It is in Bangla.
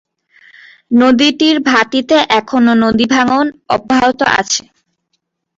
নদীটির ভাটিতে এখনও নদী ভাঙ্গন অব্যাহত আছে।